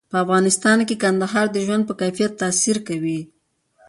په افغانستان کې کندهار د ژوند په کیفیت تاثیر کوي.